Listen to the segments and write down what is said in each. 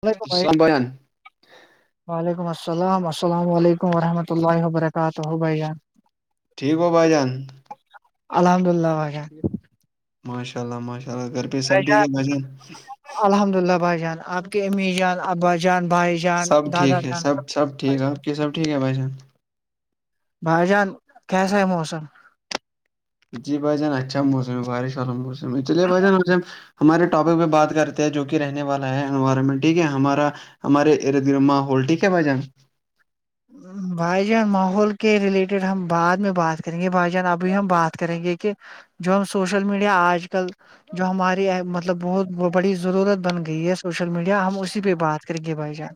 اسلام علیکم بھائی السلام [inaudible] وعلیکم السلام السلام علیکم ورحمۃہ اللہ وبرکاتہ بھائی جان ٹھیک ہو بھائی جان الحمد اللہ بھائی جان ماشاء اللہ ماشاء اللہ گھر پہ سب ٹھیک ہے بھائی جان الحمداللہ بھائی جان آپ کے امی جان ابا جان بھائی جان سب دادا ٹھیک ہے جان سب سب ٹھیک بھائی ہے جان آپ کی سب ٹھیک ہے بھائی جان بھائی جان کیسا ہے موسم جی بھائی جان اچھا موسم ہے بارش والا موسم ہے چلیں بھائی جان ہمارے ٹاپک پہ بات کرتے ہیں جو کہ رہنے والا ہے انوائرمنٹ ٹھیک ہے ہمارا ہمارے ارد گرد ماحول ٹھیک ہے بھائی جان بھائی جان ماحول کے ریلیٹڈ ہم بعد میں بات کریں گے بھائی جان ابھی ہم بات کریں گے کہ جو ہم سوشل میڈیا آج کل جو ہماری مطلب بہت بڑی ضرورت بن گئی ہے سوشل میڈیا ہم اسی پہ بات کر گے بھائی جان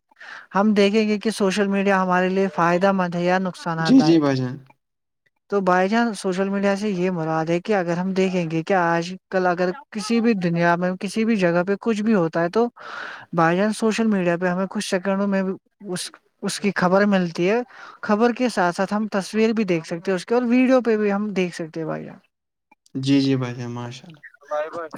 ہم دیکھیں گے کہ سوشل میڈیا ہمارے لیے فائدہ مند ہے یا نقصان جی دہ جی [inaudible] تو بھائی چان سوشل میڈیا سے یہ مراد ہے کہ اگر ہم دیکھیں گے کہ آج کل اگر کسی بھی دنیا میں کسی بھی جگہ پہ کچھ بھی ہوتا ہے تو بھائی چان سوشل میڈیا پہ ہمیں کچھ سیکنڈوں میں اس کی خبر ملتی ہے خبر کے ساتھ ساتھ ہم تصویر بھی دیکھ سکتے ہیں اس کے اور ویڈیو پہ بھی ہم دیکھ سکتے ہیں بھائی جان جی جی بھائی جان ماشاء اللہ بائے بائے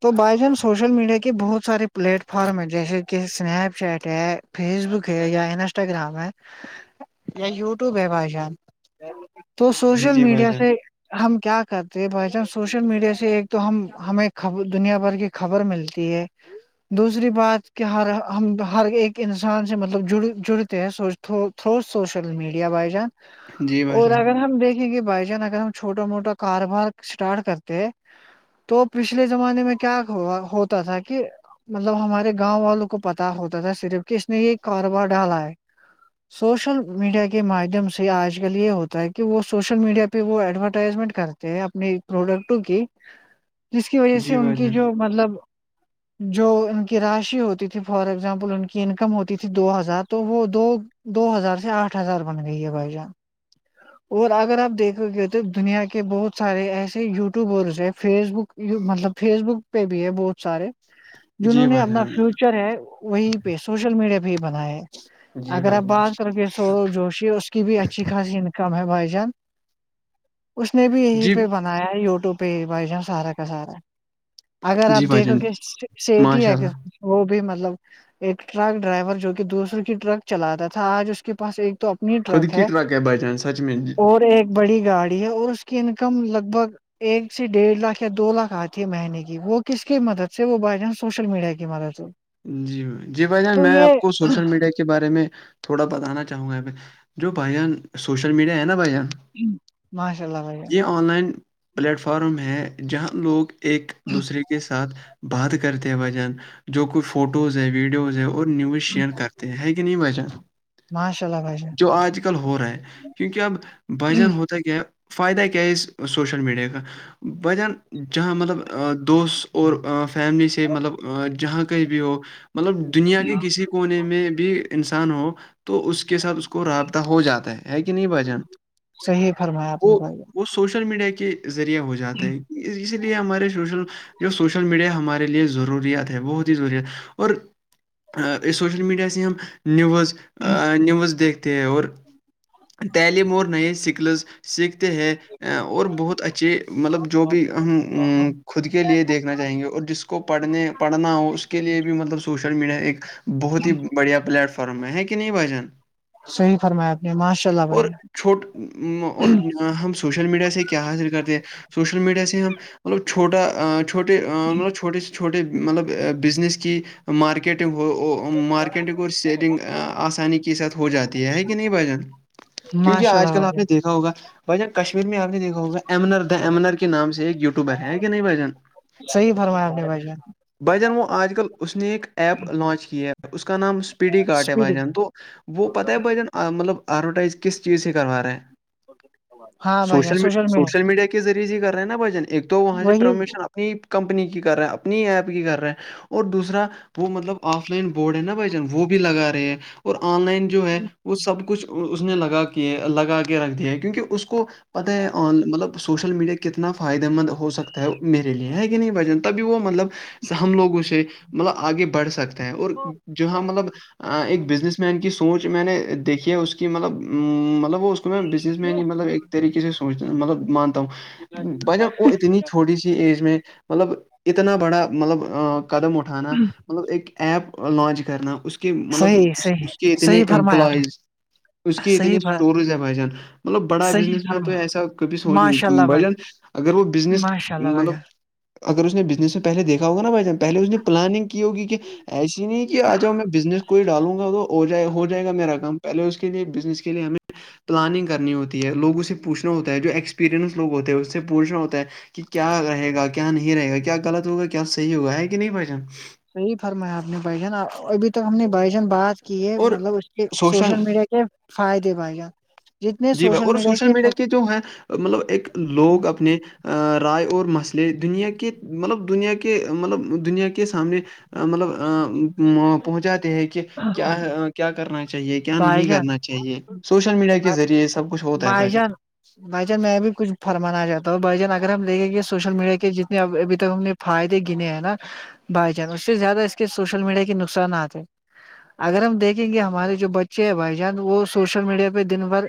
تو بھائی جان سوشل میڈیا کے بہت سارے پلیٹ فارم ہے جیسے کہ اسنیپ چیٹ ہے فیس بک ہے یا انسٹاگرام ہے یا یوٹیوب ہے بھائی جان تو جی سوشل جی بھائی میڈیا جان سے ہم کیا کرتے ہیں بھائی جان سوشل میڈیا سے ایک تو ہم ہمیں دنیا بھر کے خبر ملتی ہے دوسری بات کہ ہر ہم ہر ایک انسان سے مطلب جڑ تھرو سوشل میڈیا بھائی جان جی بھائی اور جان اگر ہم دیکھ بھائی جان اگر ہم چھوٹا موٹا کاروبار اسٹارٹ کرتے ہیں تو پچھلے زمانے میں کیا ہوتا تھا کہ مطلب ہمارے گاؤں والوں کو پتا ہوتا تھا صرف کہ اس نے یہ کاروبار ڈالا ہے سوشل میڈیا کے مادھیم سے آج کل یہ ہوتا ہے کہ وہ سوشل میڈیا پہ وہ ایڈورٹائزمنٹ کر کرتے ہیں اپنی پروڈکٹوں کی [inaudible] جس کی وجہ سے جی ان بھائی کی جان جو مطلب جو ان کی راشی ہوتی تھی فار اگزامپل ان کی انکم ہوتی تھی دو ہزار تو وہ دو دو ہزار سے آٹھ ہزار بن گئی ہے بھائی جان اور اگر آپ دیکھو گے تو دنیا کے بہت سارے ایسے یو ٹیوبرز ہے فیس بک مطلب فیس بک پہ بھی ہے بہت سارے جی جنہوں نے بھائی اپنا جان فیوچر ہے وہی پہ سوشل میڈیا پہ ہی بنایا ہے جی اگر بھائی آپ جان بات کرو گے سورو جوشی اس کی بھی اچھی خاصی انکم ہے بھائی جان اس نے بھی یہی جی پہ بنا بنایا ہے یوٹیوب پہ ہی بھائی چان سارا کا سارا اگر آپ جی بھائی دیکھو جان گے سیٹھی ماشاء ایکس اللہ وہ بھی مطلب ایک ٹرک ڈرائیور جو کہ دوسرے کی ٹرک چلاتا تھا آج اس کے پاس ایک تو اپنی خود ٹرک کی ہے بھائی جان سچ میں اور ایک بڑی گاڑی ہے اور اس کی انکم لگ بھگ ایک سے ڈیڑھ لاکھ یا دو لاکھ آتی ہے مہینے کی وہ کس کی مدد سے وہ بائی جانس سوشل میڈیا کی مدد سے جی جی بھائی جان تو میں یہ آپ کو سوشل میڈیا کے کے بارے میں تھوڑا بتانا چاہوں گا جو بھائی جان سوشل میڈیا ہے نا بھائی جان ماشاء اللہ بھائی جان یہ آن لائن پلیٹ فارم ہے جہاں لوگ ایک دوسرے کے ساتھ بات کرتے ہیں بھائی جان جو کچھ فوٹوز ہے ویڈیوز ہے اور نیوز شیئر کرتے ہے کہ نہیں بھائی جان ماشاء اللہ بھائی جان جو آج ہو رہا ہے کیونکہ اب بھائی جان ہوتا ہے کیا فائدہ کیا ہے اس سوشل میڈیا کا بھائی جان جہاں مطلب دوست اور فیملی سے مطلب جہاں کہیں بھی ہو مطلب دنیا کے کسی کونے میں بھی انسان ہو تو اس کے ساتھ اس کو رابطہ ہو جاتا ہے ہے کہ نہیں بھائی جان صحیح فرمایا آپ نے وہ بھائی وہ سوشل میڈیا کے ذریعہ ہو جاتا ہے اسی لیے ہمارے سوشل جو سوشل میڈیا ہمارے لیے ضروریات ہے بہت ضرورت اور سوشل میڈیا سے ہم نیوز نیوز دیکھتے ہیں اور تعلیم اور نئے سکلز سیکھتے ہیں اور بہت اچھے مطلب جو بھی ہم خود کے لیے دیکھنا چاہیں گے اور جس اس کو پڑھنے پڑھنا ہو اس کے لیے بھی مطلب سوشل میڈیا ایک بہت ہی بڑھیا پلیٹفارم ہے ہے کہ نہیں بھائی جان صحیح فرمایا آپ نے ماشاء اللہ اور بھائی چھوٹ اور ہم سب سوشل میڈیا سے کیا حاصل کرتے ہیں سوشل میڈیا سے ہم مطلب چھوٹا چھوٹے مطلب چھوٹے سے چھوٹے مطلب بزنس کی مارکیٹنگ ہو مارکیٹنگ سیلنگ آسانی کے ساتھ ہو جاتی ہے کہ نہیں بھائی جان جان کیونکہ ماشاء آج اللہ کل بھائی آپ نے جان دیکھا ہوگا بھائی جان کشمیر میں آپ نے دیکھا ہوگا ایمنر دا ایمنر کے نام سے ایک یٹیوبر ہے کہ نہیں بھائی جان صحیح فرمایا آپ نے بھائی جان بھائی جان وہ آج کل اس نے ایک ایپ لانچ کیا ہے اس کا نام اسپیڈی کارٹ ہے بھائی اسپیڈنگ جان تو وہ پتاہ ہے بھائی جان مطلب ایڈورٹائز کس چیز سے کروا رہے ہیں ہاں بھائی جان سوشل میڈیا سوشل میڈیا کے ذریعے سے کر رہے ہیں نا بھائی جان ایک تو وہاں سے وہی پرمیشن اپنی کمپنی کی کر رہے ہیں اپنی ایپ کی کر رہے ہیں اور دوسر وہ مطلب آف لائن بورڈ ہے نا بھائی جان وہ بھی لگا رہے ہیں اور آن لائن جو ہے وہ سب کچھ اس نے لگا کی لگا کے رکھ دیا ہے کیونکہ اس کو پتہ ہے مطلب سوشل میڈیا کتنا فائدے مند ہو سکتا میرے لیے ہے کہ نہیں بھائی جان تبھی وہ مطلب ہم لوگوں سے مطلب آگے بڑھ سکتے ہے اور جو ہم مطلب ایک بزنس مین کی سوچ میں نے دیکھی ہے اس کی مطلب مطلب وہ اس تو میں بزنس مین ہی مطلب ایک طریقے سے سوچتا مطلب مانتا ہوں بھائی جان وہ اتنی چھوٹی سی ایج میں مطلب اتنا بڑا مطلب قدم اٹھانا مطلب ایک ایپ لانچ کرنا اس کہ مطلب صحیح صحیح اس کے صحیح فرمایا آپ نے اتنےامپلائز اس کی اتنے صحیح فر- اسٹورز ہے بھائی جان مطلب بڑا صحیح بزنس مین تو فرمایا ایسا کبھی سوچ ماشاء اللہ بھائی جان اگر وہ بزنس ماشاء اللہ بھائی مطلب جان اگر اس نے بزنس میں پہلے دیکھا ہوگا نا بھائی جان پہلے اس نے پلاننگ کی ہوگی کہ ایسی نہیں کہ آ جا میں بزنس کو ہی ڈالوں گا تو ہو جائے ہو جائے جائے گا میرا کام پہلے اس کے لیے بزنس کے لیے ہمیں پلاننگ کرنی ہوتی ہے لوگوں سے پوچھنا ہوتا ہے جو ایکسپیریئنس لوگ ہوتے ہیں اس سے پوچھنا ہوتا ہے کہ کیا رہے گا کیا نہیں رہے گا کیاغط ہوگا کیا صحیح ہوگا ہے کہ نہیں بھائی جان صحیح فرمایا آپ نے بھائی جان ابھی تو ہم نے بات کی ہے اور مطلب اس کے سوشل میڈیا فائدے بھائی جان جی بھائی اور سوشل میڈیا کے جو ہے مطلب ایک لوگ اپنے رائے اور مسئلے دنیا کے مطلب دنیا کے مطلب دنیا کے سامنے مطلب ا پہنچاتے ہیں کہ کیا کیا کرنا چاہیے کیا بھائی نہیں جان کرنا چاہیے سوشل میڈیا کے ذریعے سب کچھ ہوتا ہے بھائی جان بھائی جان میں بھی کچ فرمانا چتاہوں بھائی جان اگر ہم دیکھیں گے سوشل میڈیا کے جتنے ابھی تو ہم نے فائدے گنے ہیں نا بھائی جان اس سے زیادہ اس کے سوشل میڈیا کے نقصان آتے اگر ہم دیکھیں گے ہمارے جو بچے ہیں بھائی جان وہ سوشل میڈیا پہ دن بھر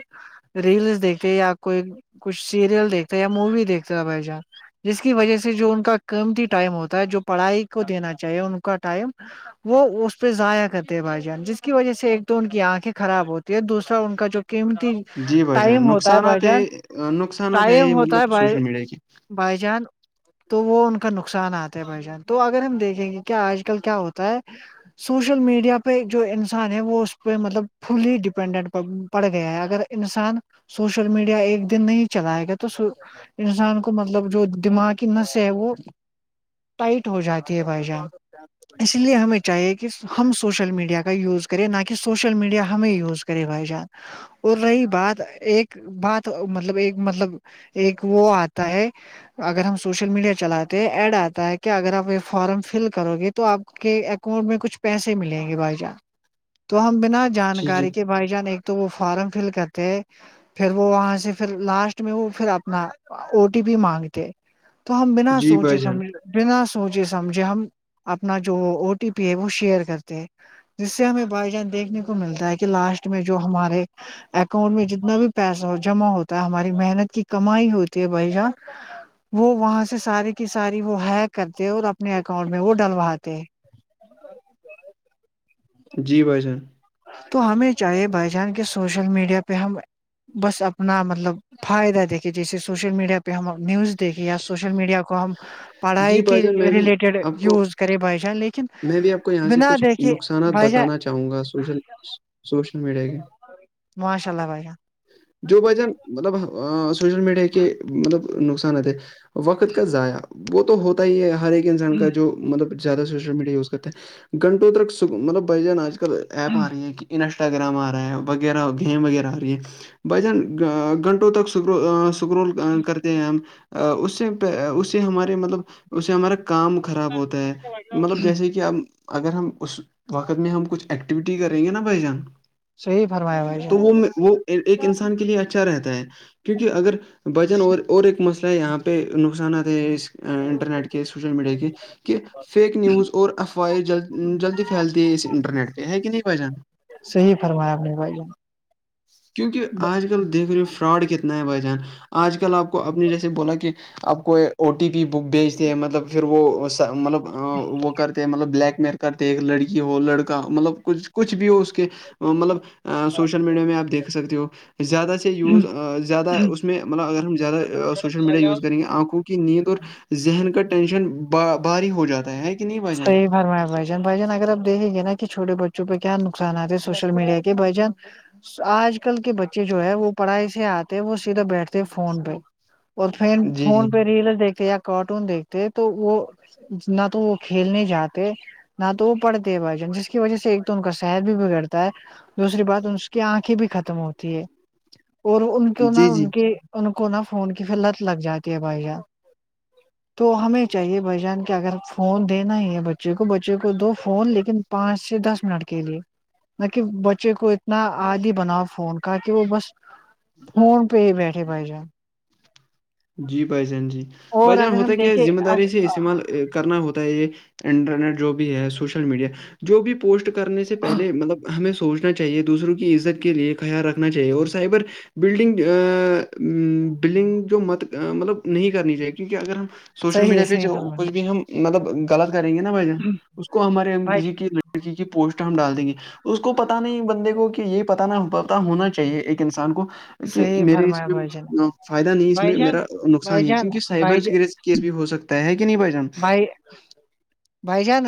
ریلس دیکھتے یا کوئی کچھ سیریل دیکھتا ہے یا مووی دیکھتا تھا بھائی جان جس کی وجہ سے جو ان کا قیمتی ٹائم ہوتا ہے جو پڑھائی کو دینا چاہیے ان کا ٹائم وہ اس پہ ضائع کرتے ہیں بھائی جان جس کی وجہ سے ایک تو ان کی آنکھیں خراب ہوتی یہ دوسرا ان کا جو قیمتی جی بھائی جان ٹائم ہوتا ہے بائی نقصانات جان ہے نقصانات ہے یہ مطلب سوشل میڈیا کی بھائی جان تو وہ ان کا نقصانات ہے بھائی جان تو اگر ہم دیکھیں گے کیا آج کل کیا ہوتا ہے سوشل میڈیا پہ جو انسان ہے وہ اس پہ مطلب فلی ڈپینڈنٹ پڑ گیا ہے اگر انسان سوشل میڈیا ایک دن نہیں چلائے گا تو انسان کو مطلب جو دماغ کی نس ہے وہ ٹائٹ ہو جاتی ہے بھائی جان [unintelligible] اس لیے ہمیں چاہیے کہ ہم سوشل میڈیا کا یوز کریں نہ کہ سوشل میڈیا ہمیں یوز کرے بھائی جان اور رہی بات ایک بات مطلب ایک مطلب ایک وہ آتا ہے [unintelligible] اگر ہم سوشل میڈیا چلاتے ہیں ایڈ آتا ہے کہ اگر آپ یہ فارم فل کرو گے تو تو آپ کے اکاؤنٹ میں کچھ پیسے ملیں گے بھائی جان تو ہم بنا جی جانکاری جی کے بھائی جان ایک تو وہ فارم فل کرتے ہیں پھر وہ وہاں سے پھر لاسٹ میں وہ پھر اپنا او ٹی پی مانگتے تو ہم بنا جی سوچے بھائی جان سمجھ بنا سوچے سمجھے ہم اپنا جو او ٹی پی ہے وہ شیئر کرتے ہیں جس سے ہمیں بھائی جان دیکھنے کو ملتا ہے کہ لاسٹ میں جو ہمارے اکاؤنٹ میں ج جتنا بھی پیسہ ہو جمع ہوتا ہے ہماری محنت کی کمائی ہوتی ہے بھائی جان وہ وہاں سے سارے کی ساری وہ ہیک کرتے اور اپنے اکاؤنٹ میں وہ ڈلواتے جی بھائی جان تو ہمیں چاہے بھائی جان کہ سوشل میڈیا پہ ہم بس اپنا مطلب فائدہ دیکھے جیسے سوشل میڈیا پہ ہم نیوز دیکے یا سوشل میڈیا [unintelligible] کو ہم جی پڑھائی کے بھائی جان میں بھی ریلیٹڈ آپ کو یوز کریں بھائی جان لیکن میں بھی آپ کو یہاں سے بنا کچھ دیکھے نقصانات بھائی جان بتانا چاہوں گا سوشل سوشل میڈیا کے ماشاء اللہ بھائی جو بھائی جان مطلب سوشل میڈیا کے مطلب نقصانات ہے وقت کا ضائع وہ تو ہوتا ہی ہے ہر ایک انسان کا جو مطلب زیادہ سو جو میڈیا یوز کرتے ہیں گھٹوں تک مطلب بھائی جان آج کل ایپ آ رہی ہے کہ انسٹاگرام آ رہا ہے وغیرہ گیم وغیرہ آ رہی ہے بھائی جان گھنٹوں تک س سکرول کرتے ہیں ہم اس سے اس سے ہمارے مطلب اس سے ہمارا کام خراب ہوتا ہے [unintelligible] جیسے کہ اگر ہم اس وقت میں ہم کچھ ایکٹیویٹی کریں گے نا بھائی جان صحیح فرمایا بھائی [unintelligible] جان تو وہ وہ ایک انسان کے لیے اچھا رہتا ہے کیونکہ اگر بھائی جان اور ایک مسئلہ یہاں پر نقصانات ہے اس انٹرنیٹ کے سوشل میڈیا کے کہ فیک نیوز اور افواہیں جل جلدی پھیلتی ہے اس انٹرنیٹ پہ ہے کہ نہیں بھائی جان ہی فرمایا اپ نے بھائی جان کیونکہ آج کل دیکھ رہے ہو فراڈ کتنا ہے بھائی جان آج کل آپ کو اپنی جیسے بولا کہ آپ کوئی او ٹی پی بک بھیجتے ہیں مطلب پھر وہ مطلب وہ کرتے مطلب بلیک میل کرتے لڑکی ہو لڑکا مطلب کچھ کچھ بھی ہو کے مطلب سوشل میڈیا میں آپ دیکھ سکتے ہو زیادہ سے یوز زیادہ اس اس میں مطلب اگر ہم زیادہوشل میڈیا یز کریں گے آنکھ کو کہ نیند اور ذہن کا ٹینشن بھاری ہو جاتا ہے کہ نہیں بھائی جان صحیح فرمایا بھائی جان یار بھائی جان اگر اپ دیکھیں گے نا کہ چھوٹے بچوں پر کیا نقصانات ہے سوشل میڈیا کے بھائی جان آج کل کے بچے جو ہے وہ پڑھائی سے آتے وہ سیدھا بیٹھتے ہے فون پہ اور فین جی جی فون پہ ریل دیکھتے یا کارٹون دیکھتے تو وہ نہ تو وہ کھیلنے جاتے نہ تو وہ پڑھتے بھائی جان جس کی وجہ سے ایک تو ان کا صحت بھی بگڑتا ہے دوسری بات اس کی آنکھیں بھی ختم ہوتی ہے اور ان کو نا جی جی ان کے ان کو نا فون کی پھر لت لگ جاتی ہے بھائی جان تو ہمیں چاہیے بھائی جان کہ اگر فون دینا ہی ہے بچے کو بچے کو دو فون لیکن پانچ سے دس منٹ کے لیے نہ کہ بچے کو اتنا عادی بناؤ فون کا کہ وہ بس فون پہ بیٹھے بھائی جان جی بھائی جان جی بھائی اور جان اگر ہوتا ہم ہے کیا دیکھیں ذمہ داری سے استعمال کرنا ہوتا ہے یہ انٹرنیٹ جو بھی ہے سوشل میڈیا جو بھی پوسٹ کرنے سے پہلے مطلب ہمیں سوچنا چ چاہیے دوسروں کی عزت کے لیے خیال رکھنا چاہیے اور سائبر بلڈنگ ا بلنگ جو مت مطلب نہیں کرنی چاہیے کیونکہ اگر ہم سوشل صحیح میڈیا پہ صحیح جو فرمایا کچھ بھی ہم مطلب غلط کریں گے بھائی جان اس کو ہمارے ہم بھائی کسی کی لڑکی کی پوسٹ ہم ڈال دیں گے اس کو پتہ نہیں بندے کو کہ یہ پتہ نہ پت ہونا چاہیے ایک انسان کو کہ صحیح میرے اس فرمایا میں بھائی جان فائدہ نہیں اس بھائی میں جان میرا نقصان بھائی ہی ہے جان کیونکہ بھائی سائبر ج- کر کیس بھی ہو سکتا ہے کہ نہیں بھائی جان بھائی بھائی جان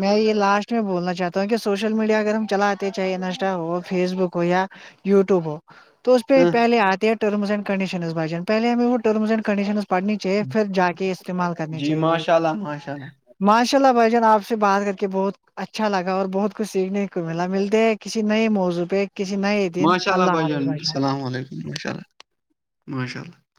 میں یہ لاسٹ میں بولنا چاہتا ہوں کہ سوشل میڈیا اگر ہم چلاتے چاہے انسٹا ہو فیس بک کویا یٹیوب ہو تو اس پہ ہاں پہے آتے ہے رمس اینڈ کڈیشنز بھائی جان پہے ہمیں وہ ٹمس اینڈ کڈیشن پڑھنی چاہے پھر جا کے استعمال کرنی چاہے جی ماشاء اللہ ماشاء اللہ ماشاء اللہ بھائی جان آپ سے بات کر کے بہت اچھا لگا اور بہت کچھ سیکھنے کو ملا ملتے ہیں کسی نئے موضوع پہ کسی نئے دن اللہ حافظ بھائی جان ماشاء اللہ ماشاء اللہ